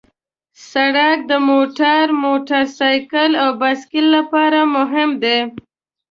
سړک د موټر، موټرسایکل او بایسکل لپاره مهم دی.